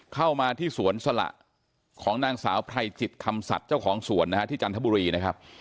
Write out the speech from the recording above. เข้ามาที่สวนสละของนางสาวไพรจิตคำสัตว์เจ้าของสวนนะฮะที่จันทบุรีนะครับ